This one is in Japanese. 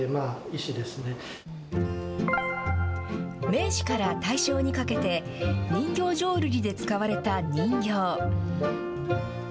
明治から大正にかけて、人形浄瑠璃で使われた人形。